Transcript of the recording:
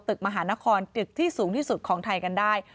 มหานครตึกที่สูงที่สุดของไทยกันได้